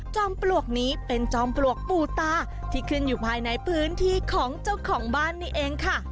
ปลวกนี้เป็นจอมปลวกปูตาที่ขึ้นอยู่ภายในพื้นที่ของเจ้าของบ้านนี่เองค่ะ